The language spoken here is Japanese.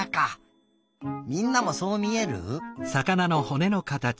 みんなもそうみえる？